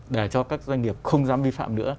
để cho các doanh nghiệp không dám vi phạm nữa